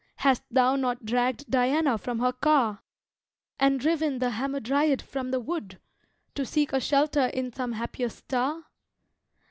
Hast thou not dragged Diana from her car? And driven the Hamadryad from the wood To seek a shelter in some happier star?